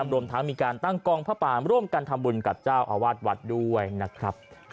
รวมทั้งมีการตั้งกองพระปามร่วมกันทำบุญกับเจ้าอาวาสวัดด้วยนะครับ